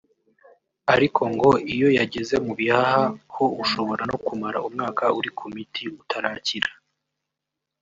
ariko ngo iyo yageze mu bihaha ho ushobora no kumara umwaka uri ku miti utarakira